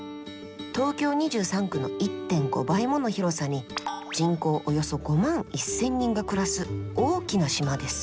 東京２３区の１．５倍もの広さに人口およそ５万１，０００人が暮らす大きな島です。